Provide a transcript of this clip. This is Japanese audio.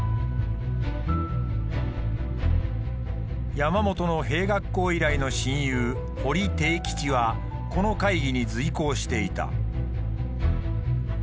山本の兵学校以来の親友堀悌吉はこの会議に随行していた。